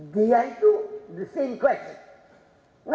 dia itu pertanyaan yang sama